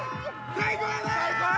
最高だー！